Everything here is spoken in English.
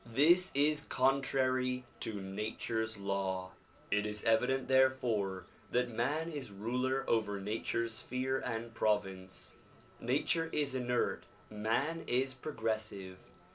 This is contrary to nature's law. It is evident therefore that man is ruler over nature's sphere and province. Nature is inert, man is progressive.